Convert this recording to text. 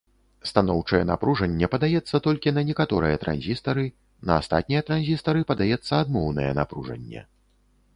Станоўчае напружанне падаецца толькі на некаторыя транзістары, на астатнія транзістары падаецца адмоўнае напружанне.